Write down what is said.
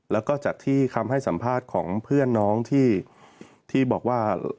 แล้วก็จากที่คำให้สัมภาษณ์ของเพื่อนน้องที่บอกว่า